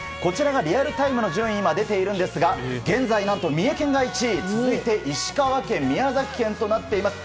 今、リアルタイムの順位が出ているんですが現在、何と三重県が１位。続いて石川県、宮崎県となっています。